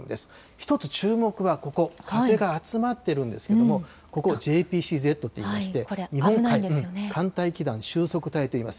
一つ、注目はここ、風が集まってるんですけれども、ここ、ＪＰＣＺといいまして、寒帯気団収束帯といいます。